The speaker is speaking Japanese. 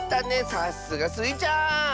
さすがスイちゃん！